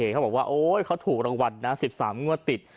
เขาบอกว่าโอ๊ยเขาถูกรางวัลนะ๑๓งวดติด